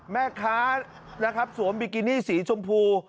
แม่ค้าสวมบิกินี่สีชมพู